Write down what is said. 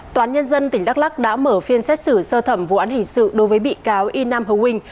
toán nhân dân tỉnh đắk lắc đã mở phiên xét xử sơ thẩm vụ án hình sự đối với bị cáo y nam hồ nguyên